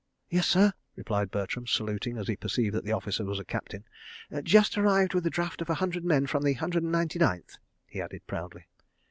"Yes, sir," replied Bertram, saluting as he perceived that the officer was a captain. "Just arrived with a draft of a hundred men from the Hundred and Ninety Ninth," he added proudly.